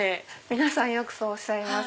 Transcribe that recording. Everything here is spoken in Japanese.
皆さんよくそうおっしゃいます。